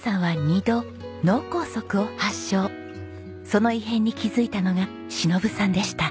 その異変に気づいたのが忍さんでした。